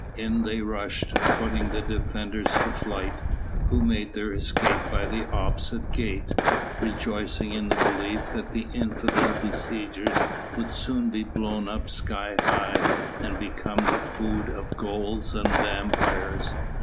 In they rushed, putting the defenders to flight, who made their escape by an opposite gate, rejoicing in the belief that the infidel besiegers would soon be blown up sky high, and become the food of ghouls and vampires.